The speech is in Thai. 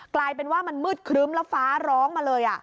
กลายเป็นว่ามันมืดครึ้มแล้วฟ้าร้องมาเลย